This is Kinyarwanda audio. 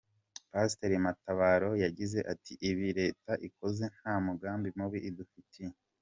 Pasiteri Matabaro yagize ati” Ibi Leta ikoze nta mugambi mubi idufitiye.